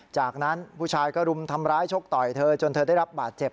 จากนั้นผู้ชายก็รุมทำร้ายชกต่อยเธอจนเธอได้รับบาดเจ็บ